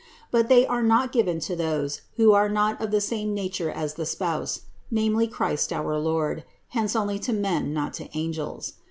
But they are not given to those, who are not of the same nature as the Spouse, namely Christ our Lord; hence only to men, not to angels.